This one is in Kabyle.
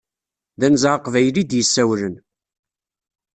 D anza aqbayli i d-yessawlen!